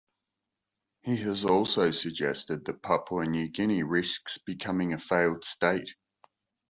He has also suggested that Papua New Guinea risks becoming a failed state.